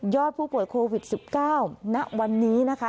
ผู้ป่วยโควิด๑๙ณวันนี้นะคะ